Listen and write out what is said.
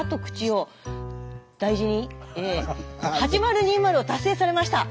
８０２０を達成されました。